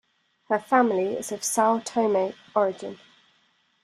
Her family is of Sao Tome origin.